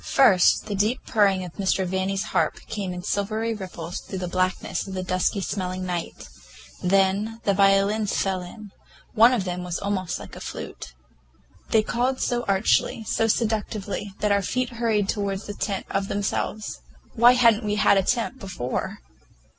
First the deep purring of Mr. Vanni's harp came in silvery ripples through the blackness of the dusty smelling night; then the violins fell in—one of them was almost like a flute. They called so archly, so seductively, that our feet hurried toward the tent of themselves. Why had n't we had a tent before?